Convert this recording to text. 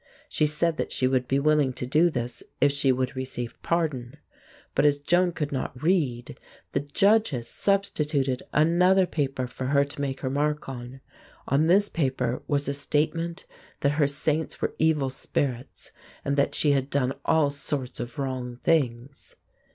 She said that she would be willing to do this if she would receive pardon. But as Joan could not read, the judges substituted another paper for her to make her mark on. On this paper was a statement that her saints were evil spirits, and that she had done all sorts of wrong things.